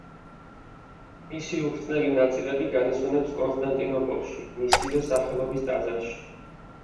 მისი უხრწნელი ნაწილები განისვენებს კონსტანტინოპოლში, მისივე სახელობის ტაძარში.